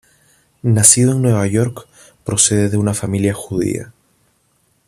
Nacido en Nueva York, procede de una familia judía.